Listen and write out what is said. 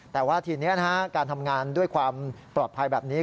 แต่ว่าทีนี้การทำงานด้วยความปลอดภัยแบบนี้